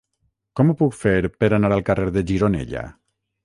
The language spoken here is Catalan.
Com ho puc fer per anar al carrer de Gironella?